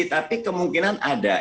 tapi kemungkinan ada